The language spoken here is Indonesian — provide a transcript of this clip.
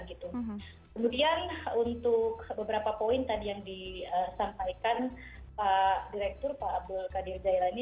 kemudian untuk beberapa poin tadi yang disampaikan pak direktur pak abdul qadir jailani